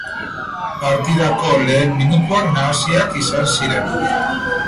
Partidako lehen minutuak nahasiak izan ziren.